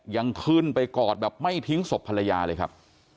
ยังขึ้นไปกอดแบบไม่ทิ้งศพภรรยาเลยครับ